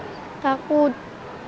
mata agak pedas